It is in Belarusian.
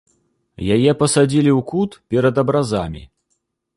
Яе пасадзілі ў кут перад абразамі.